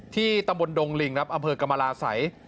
ที่ตะบนดงลิงอำเภอกรรมลาสัย